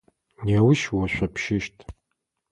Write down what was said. Неущ ошъопщэщт.